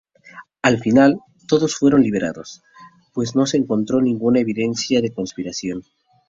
Al final, todos fueron liberados, pues no se encontró ninguna evidencia de conspiración.